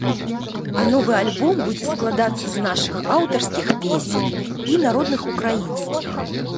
А новы альбом будзе складацца з нашых аўтарскіх песень і народных украінскіх.